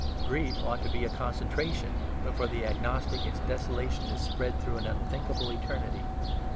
Grief ought to be a concentration; but for the agnostic its desolation is spread through an unthinkable eternity.